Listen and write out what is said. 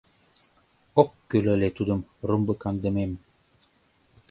Ок кӱл ыле тудым румбыкаҥдымем.